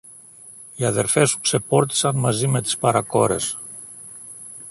Οι αδελφές σου ξεπόρτισαν μαζί με τις παρακόρες.